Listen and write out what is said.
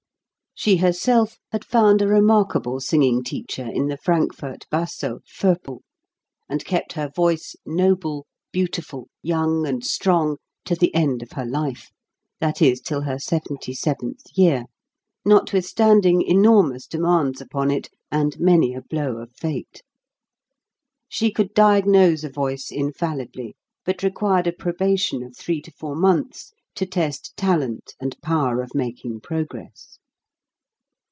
She herself had found a remarkable singing teacher in the Frankfort basso, Foppel; and kept her voice noble, beautiful, young, and strong to the end of her life, that is, till her seventy seventh year, notwithstanding enormous demands upon it and many a blow 6 . HOW TO SING of fate. She could diagnose a voice infalli bly ; but required a probation of three to four months to test talent and power of making progress.